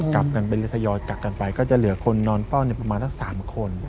กลับกันไปทยอยกลับกันไปก็จะเหลือคนนอนเฝ้าประมาณสัก๓คน